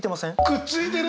くっついてる！